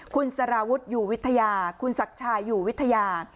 คุณสารวุฒิอยู่วิทยาคุณศักดิ์ชายอยู่วิทยา